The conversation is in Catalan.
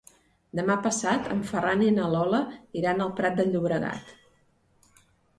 Demà passat en Ferran i na Lola iran al Prat de Llobregat.